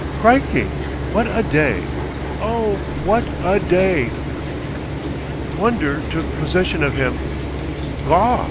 "Crikey! WOT a day! Oh! WOT a day!" Wonder took possession of him. "Gaw!"